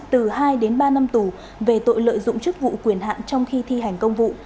từ hai đến ba năm tù về tội lợi dụng chức vụ quyền hạn trong khi thi hành công vụ